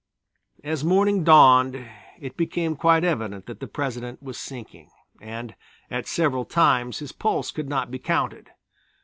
As morning dawned it became quite evident that the President was sinking, and at several times his pulse could not be counted.